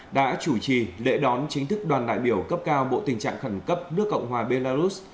đã chủ trì lễ đón chính thức đoàn đại biểu cấp cao bộ tình trạng khẩn cấp nước cộng hòa belarus